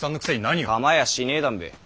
構やしねぇだんべぇ。